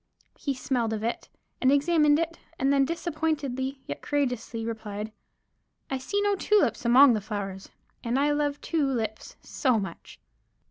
He smelled of it, and examined it, and then disappointedly yet courageously replied: "I see no tulips among the flowers, and I love two lips so much."